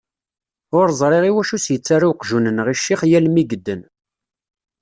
Ur ẓriɣ iwacu i s-yettarra uqjun-nneɣ i ccix yal mi yedden.